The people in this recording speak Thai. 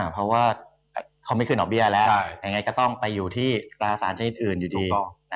เพราะว่าเขาไม่ขึ้นดอกเบี้ยแล้วยังไงก็ต้องไปอยู่ที่ตราสารชนิดอื่นอยู่ดี